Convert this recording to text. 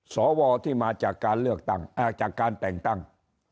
สวที่มาจากการแต่งตั้ง